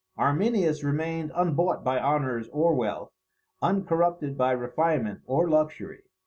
Arminius remained unbought by honours or wealth, uncorrupted by refinement or luxury.